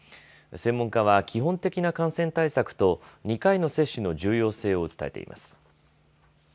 専門家は、基本的な感染対策と２回の接種の重要性を訴えています。